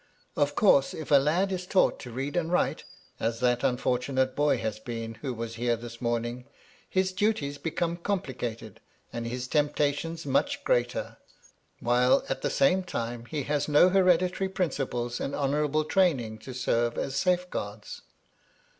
Of course, if a lad is taught to read and write (as that unfortunate boy has 96 MY LADY LUDLOW. been who was here this morning) his duties become comphcated, and his temptations much greater, while, at the same time, he has no hereditary principles and honourable training to serve as safeguards.